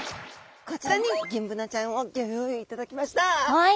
はい。